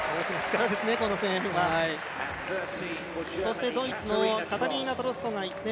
そしてドイツのカタリーナ・トロスト。